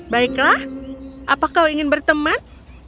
baiklah apa kau ingin berteman